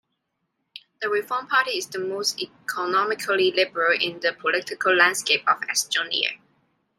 The Reform Party is the most economically liberal in the political landscape of Estonia.